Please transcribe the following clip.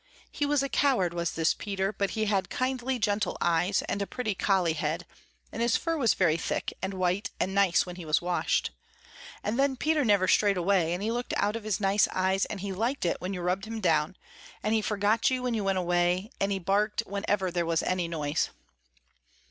He was a coward was this Peter, but he had kindly, gentle eyes and a pretty collie head, and his fur was very thick and white and nice when he was washed. And then Peter never strayed away, and he looked out of his nice eyes and he liked it when you rubbed him down, and he forgot you when you went away, and he barked whenever there was any noise.